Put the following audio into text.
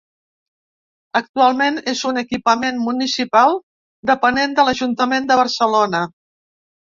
Actualment és un equipament municipal depenent de l'Ajuntament de Barcelona.